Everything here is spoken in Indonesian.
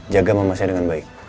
jaga mama saya dengan baik